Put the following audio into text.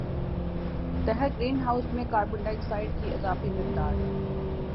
دھر greenhouse میں carbon dioxide کی اضافی مقدار